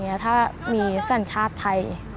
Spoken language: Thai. ในอนาคตถ้ามีบัตรไทยสัญชาติไทย